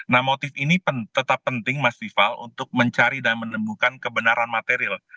nah motif ini tetap penting mas vival untuk mencari dan menemukan kebenaran material